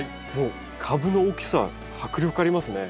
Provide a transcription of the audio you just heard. もう株の大きさ迫力ありますね。